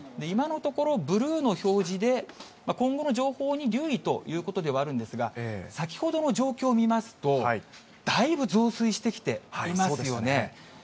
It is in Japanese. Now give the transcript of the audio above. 今のところ、ブルーの表示で、今後の情報に留意ということではあるんですが、先ほどの状況を見ますと、だいぶ増水してきていますよね。